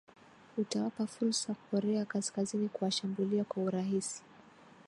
utawapa fursa korea kaskazini kuwashambulia kwa urahisi